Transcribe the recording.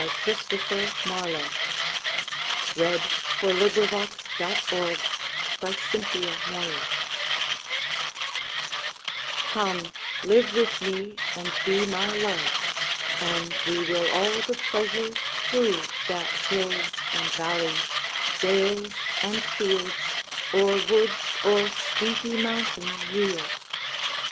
Christopher Marlowe. 1564–93 121. The Passionate Shepherd to His Love COME live with me and be my Love, And we will all the pleasures prove That hills and valleys, dales and fields, Or woods or steepy mountain yields.